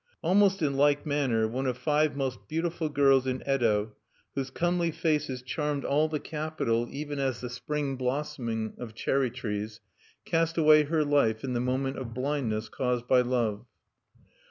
Almost in like manner, one of the five most beautiful girls in Yedo, whose comely faces charmed all the capital even as the spring blossoming of cherry trees, cast away her life in the moment of blindness caused by love.